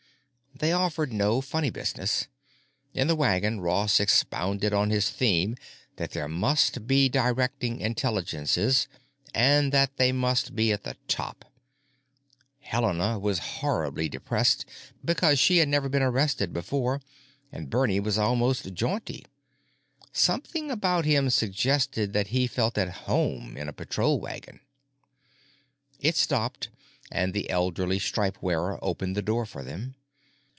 They offered no funny business. In the wagon Ross expounded on his theme that there must be directing intelligences and that they must be at the top. Helena was horribly depressed because she had never been arrested before and Bernie was almost jaunty. Something about him suggested that he felt at home in a patrol wagon. It stopped and the elderly stripe wearer opened the door for them.